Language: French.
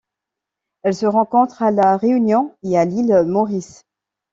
Elle se rencontre à La Réunion et à l'île Maurice.